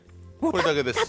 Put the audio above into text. これだけです。